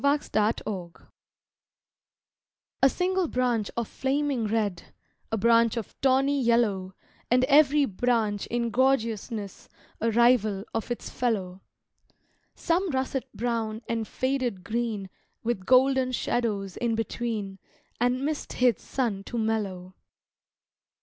Summer's Passing A SINGLE branch of flaming red, A branch of tawny yellow And every branch in gorgeousness A rival of its fellow; Some russet brown and faded green With golden shadows in between And mist hid sun to mellow.